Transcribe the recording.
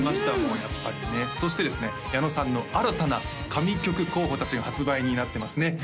やっぱりねそしてですね矢野さんの新たな神曲候補達が発売になってますね